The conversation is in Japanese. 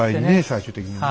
最終的には。